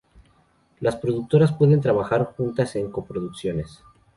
Las productoras pueden trabajar juntas en coproducciones.